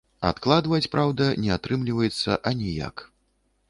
Адкладваць, праўда, не атрымліваецца аніяк.